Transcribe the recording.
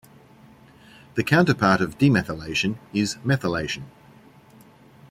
The counterpart of demethylation is methylation.